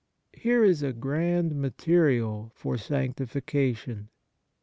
Here is a grand material for sanctification.